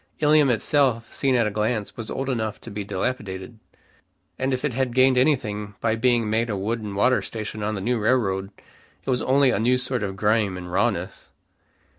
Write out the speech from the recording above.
Ilium itself, seen at a glance, was old enough to be dilapidated, and if it had gained anything by being made a wood and water station of the new railroad, it was only a new sort of grime and rawness.